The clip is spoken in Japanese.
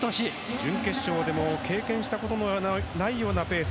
準決勝でも経験したことのないようなペース。